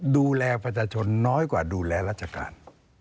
ดูแลประชาชนน้อยกว่าดูแลราชการ